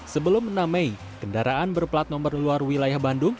sebelum enam mei kendaraan berplat nomor luar wilayah bandung